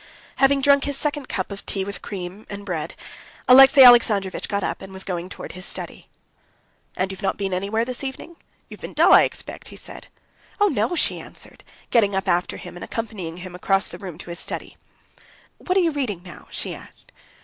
Having drunk his second cup of tea with cream, and bread, Alexey Alexandrovitch got up, and was going towards his study. "And you've not been anywhere this evening? You've been dull, I expect?" he said. "Oh, no!" she answered, getting up after him and accompanying him across the room to his study. "What are you reading now?" she asked.